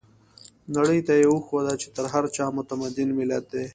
نړۍ ته يې وښوده چې تر هر چا متمدن ملت دی.